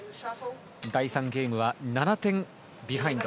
第３ゲームは７点ビハインド。